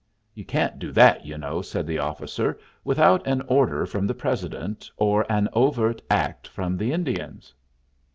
"You can't do that, you know," said the officer, "without an order from the President, or an overt act from the Indians."